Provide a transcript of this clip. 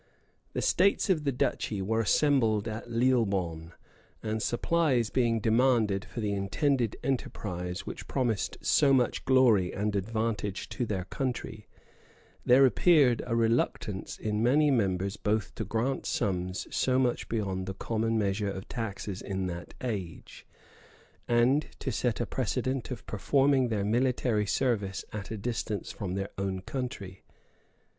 The states of the duchy were assembled at Lislebonne; and supplies being demanded for the intended enterprise, which promised so much glory and advantage to their country, there appeared a reluctance in many members both to grant sums so much beyond the common measure of taxes in that age, and to set a precedent of performing their military service at a distance from their own country.